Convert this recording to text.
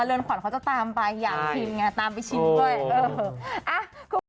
เรือนขวัญเขาจะตามไปอยากชิมไงตามไปชิมด้วย